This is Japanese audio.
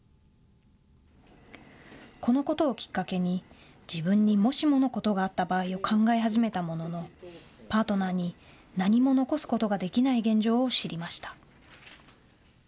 このことをきっかけに、自分にもしものことがあった場合を考え始めたものの、パートナーに何も残すことができない現状を知りました。